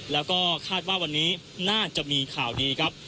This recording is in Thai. แล้วก็คาดว่าวันนี้น่าจะมีข่าวดีครับ